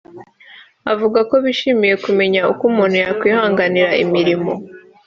avuga ko bishimiye kumenya uko umuntu yakwihangira imirimo